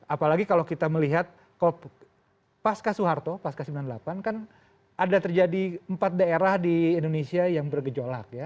apalagi kalau kita melihat pasca soeharto pas ke sembilan puluh delapan kan ada terjadi empat daerah di indonesia yang bergejolak ya